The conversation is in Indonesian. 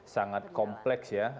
sangat kompleks ya